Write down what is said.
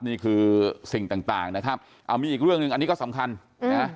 นี่คือสิ่งต่างต่างนะครับเอามีอีกเรื่องหนึ่งอันนี้ก็สำคัญนะ